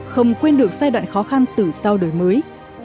không quên được giai đoạn khó khăn từ sau đời mới